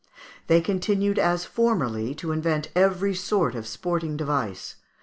They continued as formerly to invent every sort of sporting device.